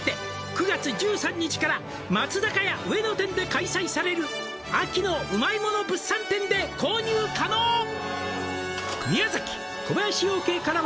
「９月１３日から松坂屋上野店で開催される」「秋のうまいもの物産展で購入可能」「宮崎小林養鶏からは」